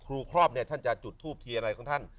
ครอบเนี่ยท่านจะจุดทูปทีอะไรของท่าน